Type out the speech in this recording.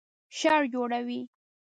شر جوړوي